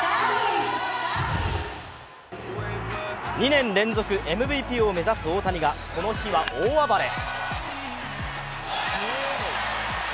２年連続ＭＶＰを目指す大谷がこの日は大暴れ。